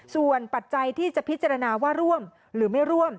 ส่วนปัจจัยที่จะพิจารณาว่าร่วมหรือไม่ร่วม